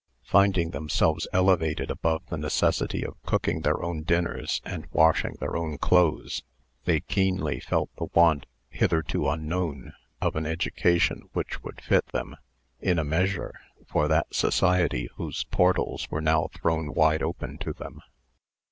Finding themselves elevated above the necessity of cooking their own dinners and washing their own clothes, they keenly felt the want, hitherto unknown, of an education which would fit them, in a measure, for that society whose portals were now thrown wide open to them.